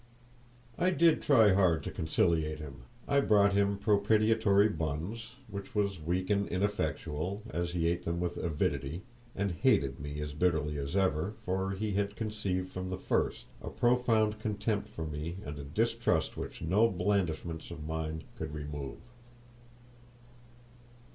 I did try hard to conciliate him. I brought him propitiatory buns, which was weak and ineffectual, as he ate them with avidity, and hated me as bitterly as ever; for he had conceived from the first a profound contempt for me, and a distrust which no blandishments of mine could remove.